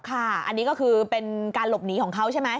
ค่ะอันนี้ก็คือเป็นการหลบหนีของเขาใช่ไหม